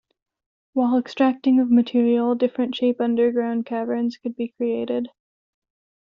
While extracting of material, different shape underground caverns could be created.